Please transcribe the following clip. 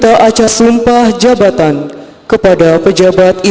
adammu negeri kami bercaci